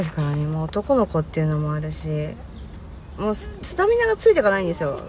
もう男の子っていうのもあるしもうスタミナがついてかないんですよ。